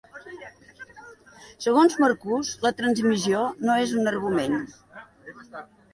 Segons Marcus, la "transmissió" no és un argument.